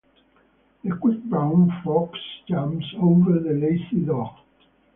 The quick brown fox jumps over the lazy dog.